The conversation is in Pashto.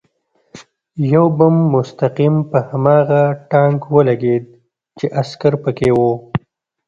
یو بم مستقیم په هماغه ټانک ولګېد چې عسکر پکې و